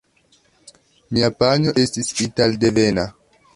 Mia panjo estis italdevena.